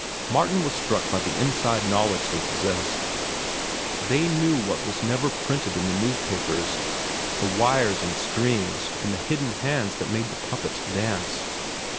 Martin was struck by the inside knowledge they possessed. They knew what was never printed in the newspapers—the wires and strings and the hidden hands that made the puppets dance.